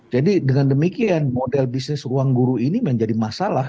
jadi dengan demikian model bisnis uang guru ini menjadi masalah